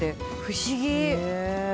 不思議。